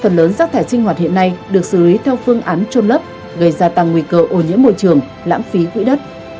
phần lớn rác thải trinh hoạt hiện nay được xử lý theo phương án trôn lớp gây gia tăng nguy cơ ồn nhẫn môi trường lãng phí quỹ đất